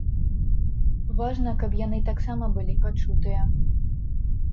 Важна, каб яны таксама былі пачутыя.